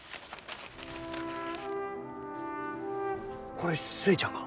これ寿恵ちゃんが？